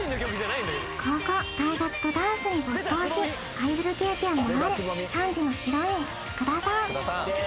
高校大学とダンスに没頭しアイドル経験もある３時のヒロイン福田さん